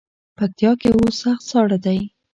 پکتیا کې اوس سخت ساړه دی.